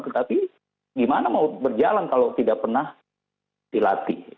tetapi gimana mau berjalan kalau tidak pernah dilatih